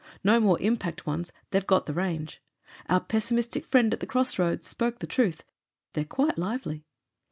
No more impact ones — they've got the range. Our pessimistic friend at the cross roads spoke the truth ; they're quite lively.